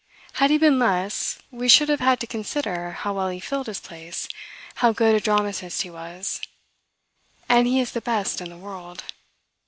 Had he been less, we should have had to consider how well he filled his place, how good a dramatist he was, and he is the best in the world.